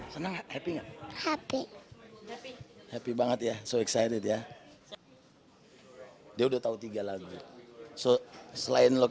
gempi yang direncanakan memberikan surprise di konser hon tadi malam